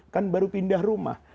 kan baru pindah rumah